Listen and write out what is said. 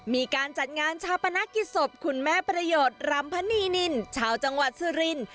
มีการจัดงานชาปนกิจศพคุณแม่ประโยชน์รำพนีนินชาวจังหวัดสุรินทร์